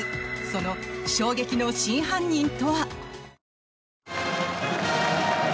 その衝撃の真犯人とは。